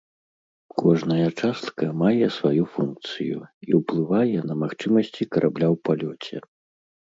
Кожная частка мае сваю функцыю і ўплывае на магчымасці карабля ў палёце.